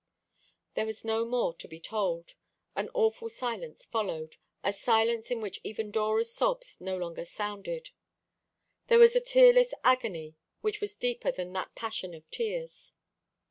There was no more to be told. An awful silence followed, a silence in which even Dora's sobs no longer sounded. There was a tearless agony which was deeper than that passion of tears.